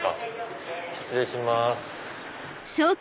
失礼します。